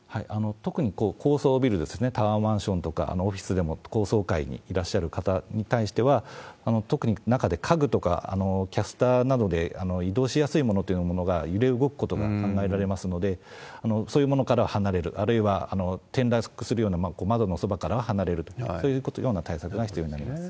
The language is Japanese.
特に高層ビルですね、タワーマンションとか、オフィスでも高層階にいらっしゃる方に対しては、特に中で家具とかキャスターなどで移動しやすいものっていうものが揺れ動くことが考えられますので、そういうものからは離れる、あるいは転落するような窓のそばからは離れると、そういうような対策が必要になります。